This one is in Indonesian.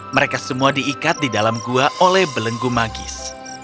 mereka semua diikat di dalam gua oleh belenggu magis